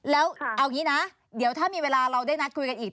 แล้วเอาอย่างนี้นะเดี๋ยวถ้ามีเวลาเราได้นัดคุยกันอีก